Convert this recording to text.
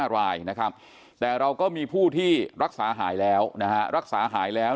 ๕รายนะครับแต่เราก็มีผู้ที่รักษาหายแล้วนะฮะรักษาหายแล้ว